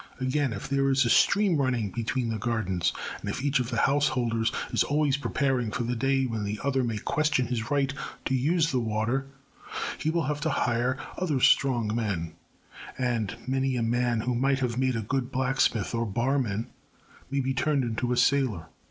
Again, if there is a stream running between the gardens, and if each of the householders is always preparing for the day when the other may question his right to use the water, he will have to hire other strong men, and many a man who might have made a good blacksmith or barman may be turned into a sailor.